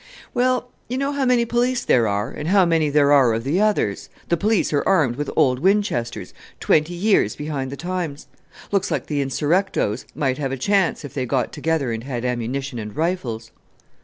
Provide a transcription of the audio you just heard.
"Well, you know how many police there are, and how many there are of the others. The police are armed with old Winchesters, twenty years behind the times! Looks like the insurrectoes might have a chance if they got together and had ammunition and rifles."